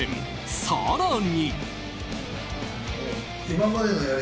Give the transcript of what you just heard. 更に。